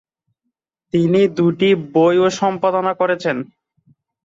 তিনি দুটি বইও সম্পাদনা করেছেন।